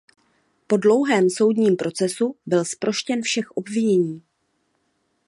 Po dlouhém soudním procesu byl zproštěn všech obvinění.